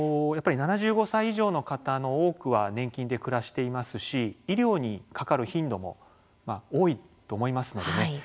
７５歳以上の方の多くは年金で暮らしていますし医療にかかる頻度も多いと思いますのでね